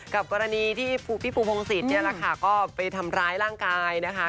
กับกรณีที่พี่ปูพงศิษย์เนี่ยแหละค่ะก็ไปทำร้ายร่างกายนะคะ